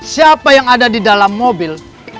siapa yang ada di dalam mobil